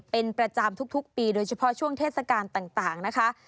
เป็นประจำทุกปีโดยเฉพาะช่วงเทศกาลต่างนะคะ